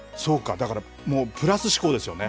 もうプラス思考ですよね。